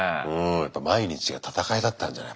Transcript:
毎日が戦いだったんじゃない？